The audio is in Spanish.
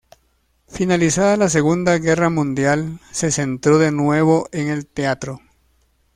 Finalizada la Segunda Guerra Mundial, se centró de nuevo en el teatro.